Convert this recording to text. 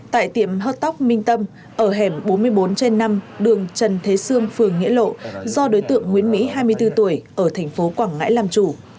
tại tiệm hớt tóc minh tâm ở hẻm bốn mươi bốn trên năm đường trần thế sương phường nghĩa lộ do đối tượng nguyễn mỹ hai mươi bốn tuổi ở thành phố quảng ngãi làm chủ